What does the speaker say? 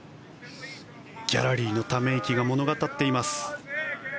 ギャラリーのため息が物語っています。